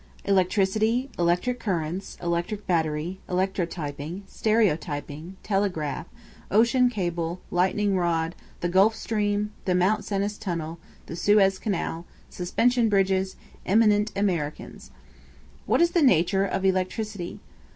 ELECTRICITY, ELECTRIC CURRENTS, ELECTRIC BATTERY, ELECTROTYPING, STEREOTYPING, TELEGRAPH, OCEAN CABLE, LIGHTNING ROD, THE GULF STREAM, THE MT. CENIS TUNNEL, THE SUEZ CANAL, SUSPENSION BRIDGES, EMINENT AMERICANS. What is the nature of Electricity?